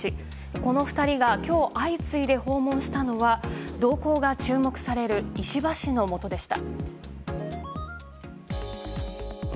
この２人が今日、相次いで訪問したのは動向が注目される石破氏のもとでした。